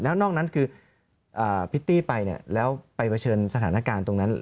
แล้วนอกนั้นคือพิตตี้ไปแล้วไปเผชิญสถานการณ์ตรงนั้น